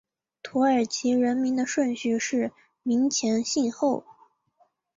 土耳其人名的顺序是名前姓后。